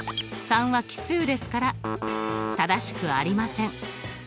３は奇数ですから正しくありません。